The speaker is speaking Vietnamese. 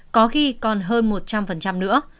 có khi còn hơn một trăm linh nữa